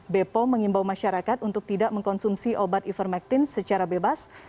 bepom mengimbau masyarakat untuk tidak mengkonsumsi obat ivermectin secara bebas